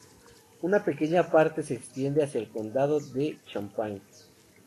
Una pequeña parte se extiende hacia el condado de Champaign.